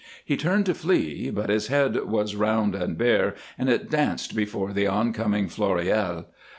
He turned to flee, but his head was round and bare, and it danced before the oncoming Floréal.